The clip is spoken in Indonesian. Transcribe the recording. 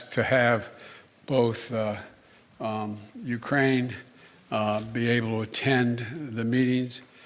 meminta untuk membuat ukraina bisa menghadiri pertemuan g dua puluh